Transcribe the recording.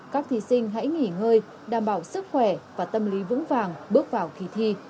các thí sinh hãy nghỉ ngơi đảm bảo sức khỏe và tâm lý vững vàng bước vào kỳ thi